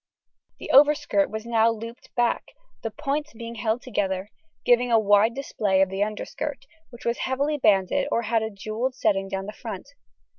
The overskirt was now looped back, the points being held together, giving a wide display of the underskirt, which was heavily banded or had a jewel setting down the front.